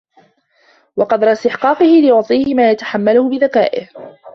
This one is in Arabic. وَقَدْرَ اسْتِحْقَاقِهِ لِيُعْطِيَهُ مَا يَتَحَمَّلُهُ بِذَكَائِهِ